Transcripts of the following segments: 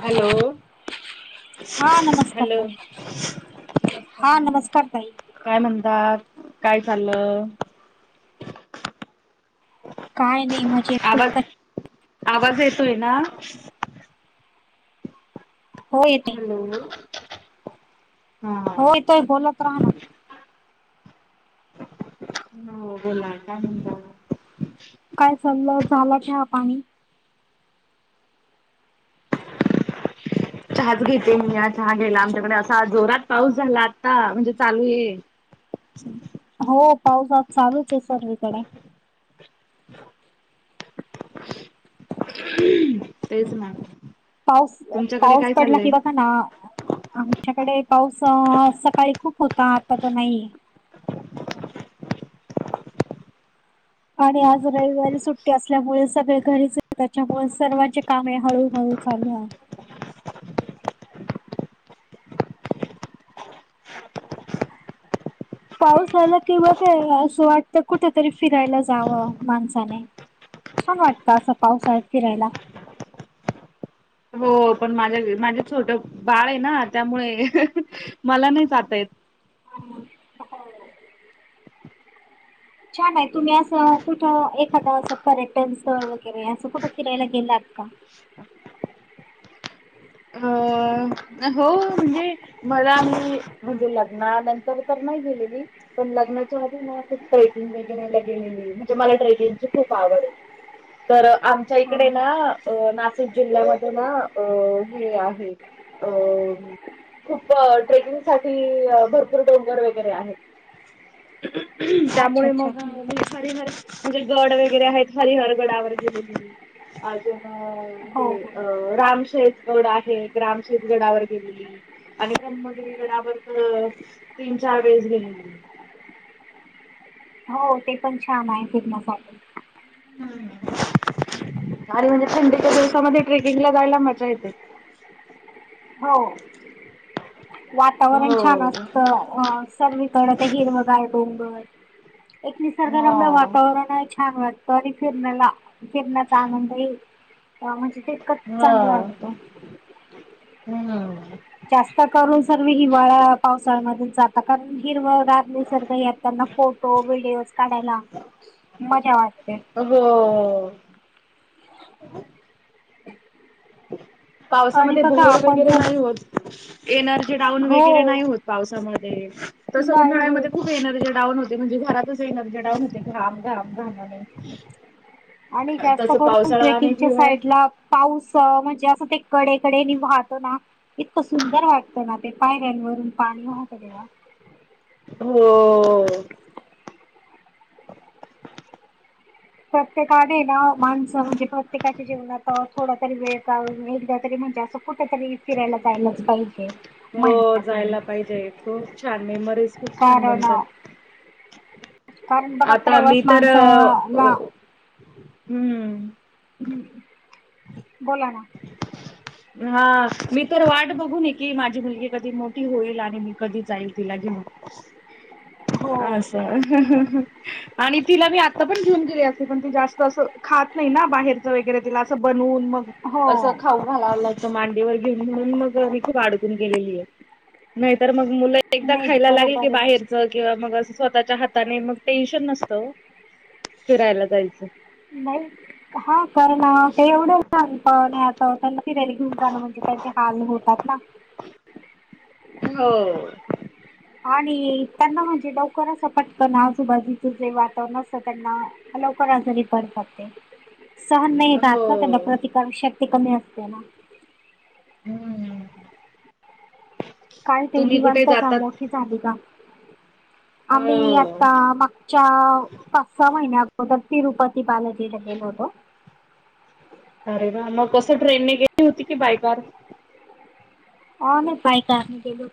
Hello हा नमस्कार hello. ताई हा नमस्कार ताई काय म्हणता काय चाललंय. काय नाही माझे आवाज आवाज येतोय ना? हो येते हॅलो. हा होय ताई बोलत राहा ना. हो बोला काय म्हणता? काय चाललं झाला चहा पाणी. चहाच घेते मीयां चहा घ्यायला आमच्याकडे असा जोरात पाऊस झाला आत्ता म्हणजे चालुये. हो पाऊस आज चालूचे सर्वीकडे. [unintelligible] तेच ना. पाऊस तुमच्याकडे पाऊस काय पडला किं चाललंय बघ ह ना आमच्याकडे पाऊस सकाळी खूप होता आता तर नाहीये. आणि आज रविवारी सुट्टी असल्यामुळे सगळे घरीच त्याच्यामुळे सर्वांचे कामे हळूहळू चालुहाय. पाऊस आला कि बघ असं वाटतं कुठेतरी फिरायला जावं माणसाने. छान वाटतं असं पावसाळ्यात फिरायला. हो पण माझ्या माझे छोट बाळ आहे ना त्यामुळे मला नाही जाता येत. [inaudible] छान आहे तुम्ही असं कुठं एखादं असं पर्यटन स्थळ वगैरे असं कुठं फिरायला गेलात का? होय. हो म्हणजे मला मी म्हणजे लग्नानंतर तर नाही गेलेली. पण लग्नाच्या आधी मला खूप ट्रेकिंग वगैरेला गेलेली म्हणजे मला ट्रेकिंगची खूप आवडये. तर आमच्या हा इकडे ना हा. नाशिक जिल्ह्यामध्ये ना हे आहे. अ खूप ट्रेकिंग साठी भरपूर डोंगर वगैरे आहेत. अच्छा त्यामुळे अच्छा मग घे हरिहर म्हणजे गड वगैरे आहेत हरीहर गडावर गेलेली. हो हे रामशेेजगड आहे रामशेज गडावर गेलेली. आणि ब्रम्हगिरी गडावर तर तीन चार वेळेस गेलेली. हो ते पण छान आहे फिरण्यासाठी. भारी म्हणजे थंडीच्या दिवसामध्ये ट्रेकिंगला जायला मजा येते. हो वातावरण छान हो असत. अ सर्वीकड ते हिरव गार डोंगर एक निसर्गरम्य हा वातावरण आहे छान वाटत तरी फिरनला फिरण्या चा आनंद येईल. अ म्हणजे ते होय हमम. जास्त करून सर्व हिवाळ पावसाळ्यामध्येच जातात कारण हिरव गार निसर्ग येताना फोटो व्हिडिओज काढायला मजा वाटते. ऐनजॅय आणि पावसामध्ये बघा बोअर आपण वगैरे जर नाही होत एनर्जी डाऊन वगैरे हो नाही होत. पावसामध्ये तसं नाही होत उन्हाळ्यामध्ये खूप एनर्जी डाऊन होते म्हणजे घरातच एनर्जी डाऊन होते घाम घाम घामाने आणि जास्त तसं करून पावसाळा आणि ट्रेकिंगच्या साईड हिवाळ्यात ला पाऊस म्हणजे असं ते कडेकडे नि वाहतो ना इतक सुंदर वाटतं ना ते पायऱ्यांवरून पाणी वाहंतं तेव्हा. होय. हो. प्रत्येका आधी ना माणस म्हणजे प्रत्येका जिवनातं थोडा तरी वेळ का काडून एकदा तरी म्हणजे असं कुठेतरी फिरायला जायलाच पाहिजे. हो महिन्यातून जायला पाहिजे. खूप छान मेमरीज खूप छान कारण अ, बनतात. कारण बघा आता मी प्रवास तर, माणसाला ओ-ओ, हम्म. हम. बोला ना. [unintelligible] हा. मी तर वाट बघून येकी माझी मुलगी कधी मोठी होईल? आणि मी कधी जाईल तिला घेऊन. हो आस. हं.. हं.. हं आणि तिला मी आता पण घेऊन गेले असते. पण ती जास्त असं खात नाही ना बाहेर च वगैरे तिला असं बनवून मग हो असं खाऊ घालावं लागतं मांडीवर घेऊन, म्हणून मग मी खूप अडकून गेलेली ए. नाहीतर मग मुलं एकदा नाही खायला लागले की बरोबर आहे बाहेर चं किंवा मग असं स्वतःच्या हातानी, मग टेन्शन नसतं ओ. फिरायला जायचं नाई. हा, कारण ते [unintelligible] फिरायला घेऊन जाणं म्हणजे त्याचे हाल होतात ना हो. आणि त्यांना म्हणजे लवकर असं पटकन आजूबाजूचं जे वातावरण असतं त्यांना लवकर आजारी पडतात ते. सहन नाही हो येत त्यांना प्रतिकारक शक्ती कमी असते ना हम्म. काय ते तुम्ही कुठे निवांत जा जातात? मोठी झाली का आम्ही हो आता माग च्या पाच, सहा महिन्या अगोदर तिरुपती बालाजी ला गेलो होतो. अरे वा! मग कसं ट्रेननेे गेली होती क बाय कार? आमी बाय कार गेलो.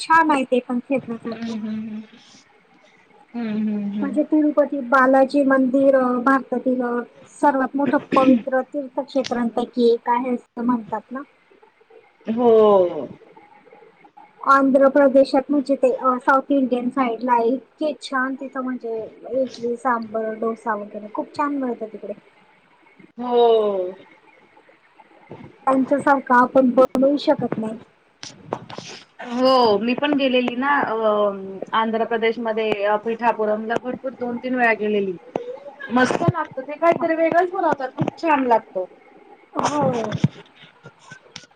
छान आहे ते पण फिरण्यासारखं हम-हम-हम-हम-हम. म्हणजे तिरुपती बालाजी जी मंदिर अ भारतातील अ सर्वात मोठं पवित्र तीर्थक्षेत्र त्रान पैकी एक आहे असं म्हणतात ना? हो. आंध्र प्रदेशात म्हणजे ते साऊथ इंडियन साइडला इतके छान तिथं म्हण जे इडली, सांबर, डोसा वगैरे खूप छान मिळतं तिकडे हो. त्यांच्या सारखं आपण बनवू शकत नाई. हो. मी पण गेलेली ना अ म आंध्र प्रदेशमध्ये अ पीठापुरमला भरपूर दोन-तीन वेळा गेलेली मस्त लाग ते काहीतरी वेगळंच बनवतात. खूप छान लागतो. हो.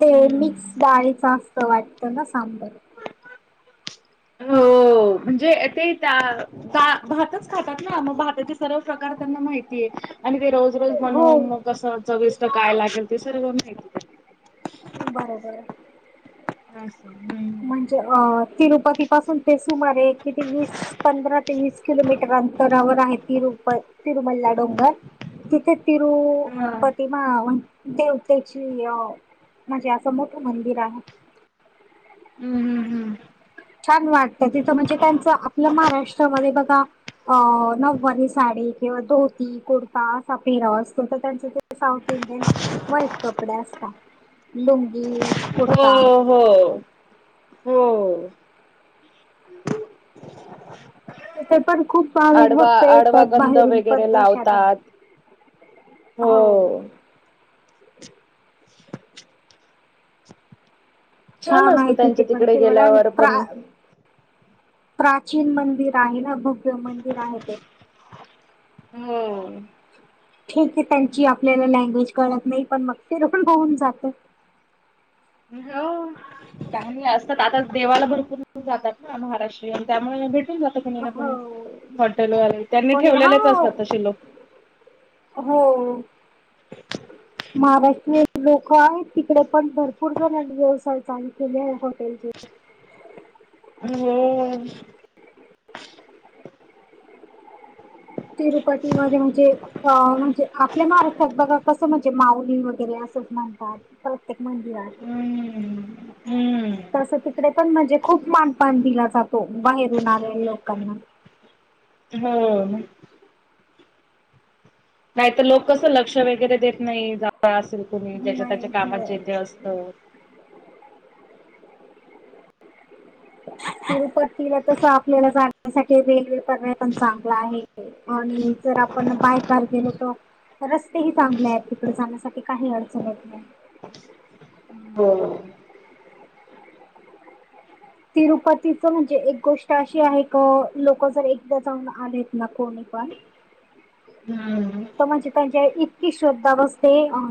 ते मिक्स डाळीचं असतं वाटतं ना सांबर हो, म्हणजे अ ते दा दा भातच खातात ना. मग भाताचे सर्व प्रकार त्यांना माहितीये आणि ते रोज रोज हो बनवून मग कसं चविष्ट काय लागेल? ते सर्वं माहितिये बरोबर [unintelligible] म्हणजे. अ तिरुपती पासून ते सुमारे किती वीस पंधरा ते वीस किलोमीटर अंतरावर आहे तिरुप तिरुमल्ला डोंगर तिथं हा तिरुपती [unintelligible] देवतेची, म्हणजे असं मोठं मंदिर आहे. हम्म हम् हम्म छान वाटतं तिथं, म्हणजे त्यांचं, आपलं महाराष्ट्रामध्ये बघा अ नव्वारी साडी किंवा धोती, कुर्ता, [unintelligible] असतो तर त्यांचे ते साऊथ इंडियन, व्हाईट कपडे असता. लुंगी. कुर्ता हो. हो, हो. तिथे पण खूप भाविक आडवा भक्त आडवा येतात गंध बाहेरून, वगैरे परदेशातून. लावतात हो. [inaudible] छान असतं आहे तिथे त्यांच्या पण [unintelligible] तिकडे गेल्यावर प्र पण प्राचीन मंदिर आहे ना. भव्य मंदिर आहे ते. हो ठीक हे त्यांची आपल्याला लँग्वेज कळत नाही पण मग तेिरण होऊन जात. ह. का असतात आता देवाला भरपूर जातात ना महाराष्ट्रीयन आणि त्यामुळे भेटून जा हो हॉटेल वाले त्यांनी कोणी हा ठेवलेलेच असतात तशे लोक. हो. [inaudible] महाराष्ट्रीयन लोक आहेत तिकडे पण भरपूर जण व्यवसाय चालू केले आहे हॉटेलचे. [unintelligible] [unintelligible] मध्ये म्हणजे अ म्हणजे, आपल्या महाराष्ट्रात बघा कसं, म्हणजे माऊली वगैरे असंच म्हणतात. प्रत्येक मंदिरात हम्म. हम्म. तस तिकडे पण म्हणजे खूप मानपन दिला जातो. हो बाहेरून आलेले लोकांना. हम्म. नाहीत लोक कसं लक्ष वगैरे देत नाही [unintelligible] असेल कुणी ज्याच्या नाही त्याच्या हो. कामात जे थे असत. तिरुपतीला तस आपल्याला जाण्यासाठी वेग वे पण चांगलं आहे आणि जर आपण बायकार गेलो तो, रस्तेही चांगले आहेत तिकडे जाण्यासाठी काही अडचण येत नाही. हो. तिरुपतीच म्हणजे एक गोष्ट अशी आहे क लोक जर एकदा जाऊन आलेत ना कोण [unintelligible] पण हम्. म्हणजे त्यांच्या इतकी श्रद्धा बसते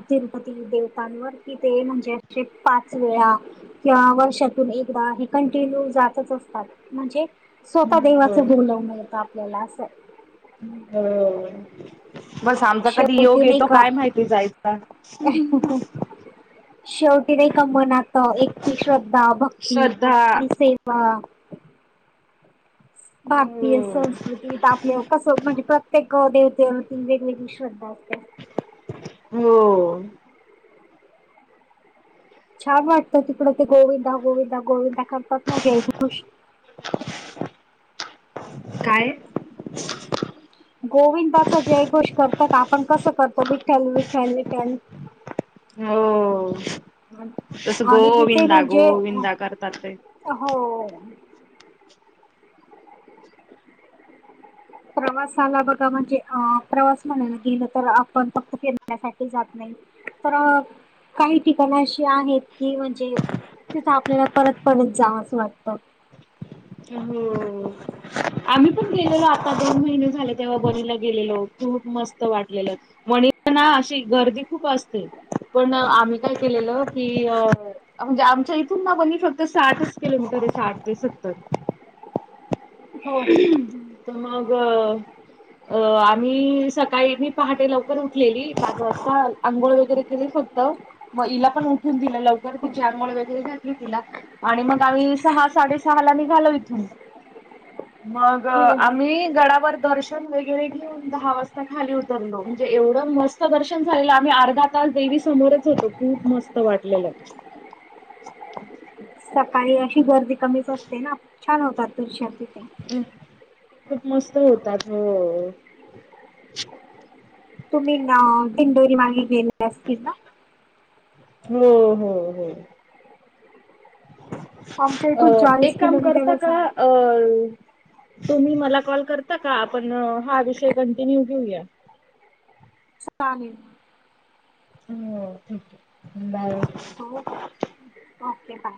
तिरुपती देवतांवर. तिथे म्हणजेे अशे पाच वेळा किंवा वर्षातून एकदा कंटिन्यू जातच असतात म्हणजे स्वतः देवाचं हम्म बोलवण येतं आपल्याला असं. हो, बस आमचा कधी योग शेवटी नाही येतो का काय माहिती जायचा. शेवटी नाही का मनात एक ती श्रद्धा, भक्ती श्रद्धा आणि सेवा भारतीय संस् [unintelligible] आपलं कसं म्हणजे प्रत्येक देवतेवरती वेगवेगळी श्रद्धा असते. हो. छान वाटतं तिकड ते गोविंदा गोविंदा गोविंदा करतात ना [unintelligible] काय? गोविंदाचा जयघोष करतात आपण कसं करतो विठल विठ्ठल विठ्ठल. [inaudible] हो, तस गो आणि तिथे विंदा गो म्हणजे विंदा करतात ते. हो. प्रवासाला बघा म्हणजे अ प्रवास म्हणायला गेलं तर आपण फक्त फिरण्यासाठी जात नाही. तरा काही ठिकाणं अशी आहेत की म्हणजे तिथं आपल्याला परत परत जावं असं वाटतं. हो आम्ही पण गेलेलो आता दोन महिने झाले तेव्हा बनीला गेलेलो खूप मस् वाटलेलं. मणी ना अशी गर्दी खूप असते पण आम्ही काय केलेलं की अ म्हणजे आमच्या इथून ना बणी फक्त साठच किलो मीटर साठ ते सत्तर हो हो हम्म. त मगं अ आम्ही सकाळी मी पहाटे लवकर उठलेली पाच वाजता आंघोळ वगैरे केली फक्त मग हिला पण उठून दिला लवकर तिची अंघोळ वगैरे घातली तिला आणि मग आम्ही सहा साडे सहाला निघालो इथून मग हो हो आम्ही गडावर दर्शन वेगैर घेऊन दहा वाजता खाली उतरलो म्हणजे एवढं मस्त दर्शन झालेलं आम्ही अर्धा तास देवी समोरच होतो. खूप मस्त वाटलेलं. सकाळी अशी गर्दी कमीच असते ना छान होतात तर तिथे. खूप मस्त होतात हो. तुम्ही ना पिंडोरी मार्गे गेले असतील ना? हो हो हो. आमच्या अ इथून चाळीस एक काम करता किलोमीटरच का? आहे अ तुम्ही मला कॉल करता का आपण हा विषय कंटिन्यू घेऊया. चालेल. हो थँक यू बाय. ठेवू काय ओके बाय.